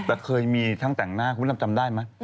แต่เคยมีทั้งแต่งหน้าคุณผู้ชมจำได้ไหม